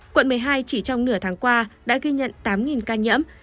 quận một mươi hai chỉ trong nửa tháng qua đã ghi nhận tám ca nhiễm